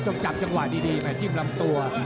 จับจังหวะดีแห่จิ้มลำตัว